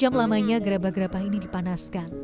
jam lamanya gerabah gerabah ini dipanaskan